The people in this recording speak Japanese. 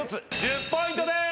１０ポイントです。